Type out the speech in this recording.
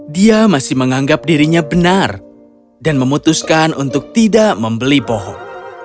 dia masih menganggap dirinya benar dan memutuskan untuk tidak membeli bohong